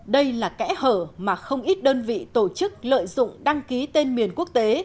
đây là kẽ hở mà không ít đơn vị tổ chức lợi dụng đăng ký tên miền quốc tế